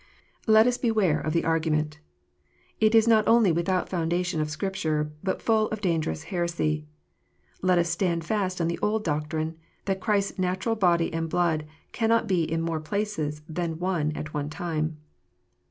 Let us beware of the argument. It is not only with out foundation of Scripture, but full of dangerous heresy. Let us stand fast on the old doctrine, that Christ s natural body and blood " cannot be in more places than one at one time."